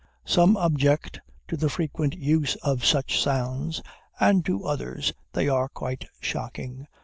Some object to the frequent use of such sounds, and to others they are quite shocking.